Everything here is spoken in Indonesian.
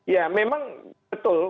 ya memang betul